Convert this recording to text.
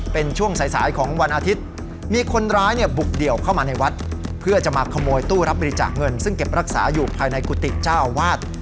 เป็นช่วงสายสายของวันอาทิตย์มีคนร้ายเนี่ยบุกเดี่ยวเข้ามาในวัดเพื่อจะมาขโมยตู้รับบริจาคเงินซึ่งเก็บรักษาอยู่ภายในกุฏิเจ้าอาวาส